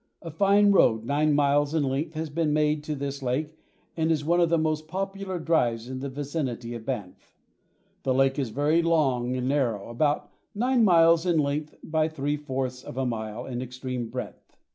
A fine road nine miles in length has been made to this lake and is one of the most popular drives in the vicinity of Banff. The lake is very long and narrow, about nine miles in length by three fourths of a mile in extreme breadth.